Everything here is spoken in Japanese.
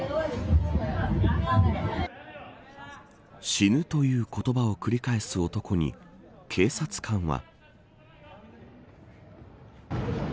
死ぬという言葉を繰り返す男に警察官は。